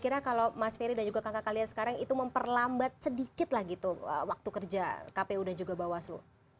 kira kira kalau mas ferry dan juga kakak kalian sekarang itu memperlambat sedikit lah gitu waktu kerja kpu dan juga bawaslu